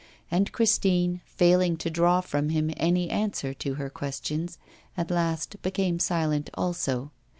And Christine, failing to draw from him any answer to her questions, at last became silent also.